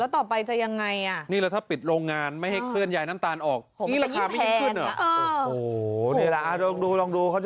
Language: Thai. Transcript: ต่อไปจะอย่างไรนี่แหละถ้าปิดโรงงานไม่ให้เคลื่อนย้ายน้ำตาลออก